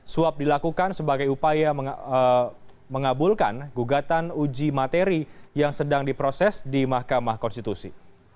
suap dilakukan sebagai upaya mengabulkan gugatan uji materi yang sedang diproses di mahkamah konstitusi